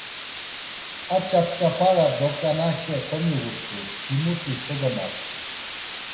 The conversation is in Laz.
A ç̌ap̌ç̌ap̌ara doǩanaşe komiğut̆u, himuti kogamapçi.